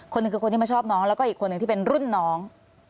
หนึ่งคือคนที่มาชอบน้องแล้วก็อีกคนหนึ่งที่เป็นรุ่นน้อง